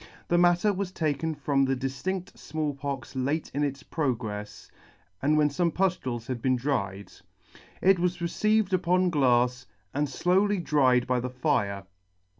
The matter was taken from the diftinfft Small Pox late in its progrefs, and when fome puftules had been dried. It was received upon glafs, and flowly dried by the fire.